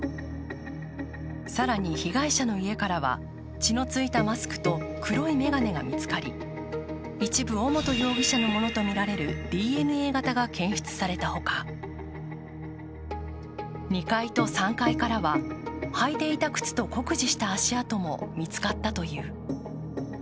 更に被害者の家からは血のついたマスクと黒い眼鏡が見つかり、一部、尾本容疑者のものとみられるＤＮＡ型が検出されたほか、２階と３階からは履いていた靴と酷似していた足跡も見つかったという。